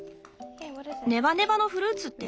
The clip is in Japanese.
ネバネバのフルーツって？